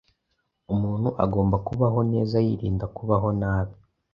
Umuntu agomba kubaho neza yirinda kubaho nabi